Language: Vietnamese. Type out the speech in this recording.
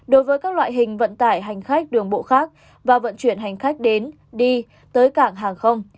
đối với các loại hình vận tải hành khách đường bộ khác và vận chuyển hành khách đến đi tới cảng hàng không